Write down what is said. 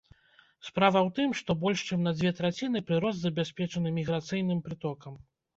Справа ў тым, што больш чым на дзве траціны прырост забяспечаны міграцыйным прытокам.